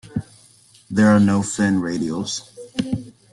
There are no fin radials.